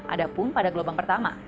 adapun pada gelombang pertama